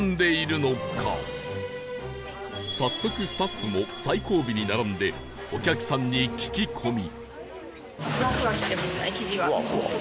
早速スタッフも最後尾に並んでお客さんに聞き込み